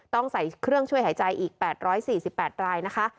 ต้องใส่เครื่องช่วยหายใจอีก๘๔๘รายนะคะ